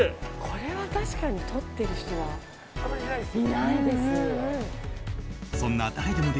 これは確かに撮ってる人はいないです。